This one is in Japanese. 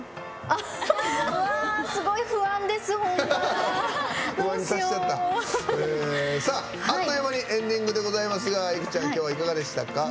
あっという間にエンディングでございますがいくちゃん、今日はいかがでしたか？